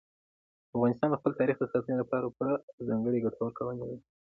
افغانستان د خپل تاریخ د ساتنې لپاره پوره او ځانګړي ګټور قوانین لري.